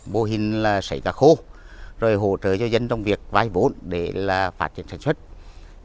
mô hình xây các khu rồi hỗ trợ cho dân trong việc vai vốn để là phát triển sản xuất